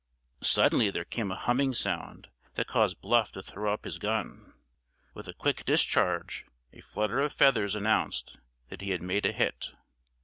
Suddenly there came a humming sound, that caused Bluff to throw up his gun. With a quick discharge a flutter of feathers announced that he had made a hit.